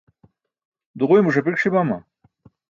duġuymo ṣapik ṣi bama?